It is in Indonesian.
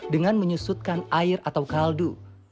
dengan menyusutkan air atau kaldu